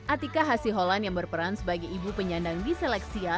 atika hasiholan yang berperan sebagai ibu penyandang di seleksia